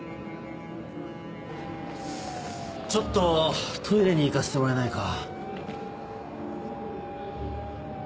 ちょっとトイレに行かせてもらえないか？